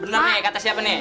benar nek kata siapa nek